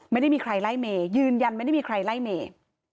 ไม่ได้มีใครไล่เมย์ยืนยันไม่ได้มีใครไล่เมย์